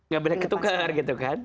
gak boleh ketukar gitu kan